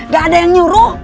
gak ada yang nyuruh